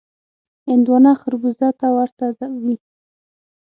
هندوانه خړبوزه ته ورته وي.